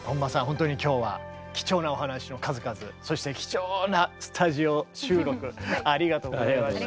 本当に今日は貴重なお話の数々そして貴重なスタジオ収録ありがとうございました。